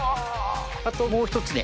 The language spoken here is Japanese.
あともう一つね。